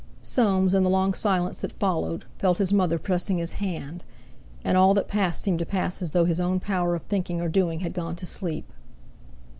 Soames, in the long silence that followed, felt his mother pressing his hand. And all that passed seemed to pass as though his own power of thinking or doing had gone to sleep.